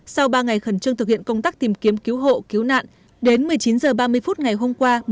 sau ba ngày khẩn trương thực hiện công tác tìm kiếm cứu hộ cứu nạn đến một mươi chín h ba mươi phút ngày hôm qua